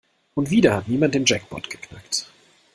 Und wieder hat niemand den Jackpot geknackt.